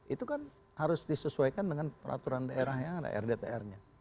itu kan harus disesuaikan dengan peraturan daerah yang ada rdtr nya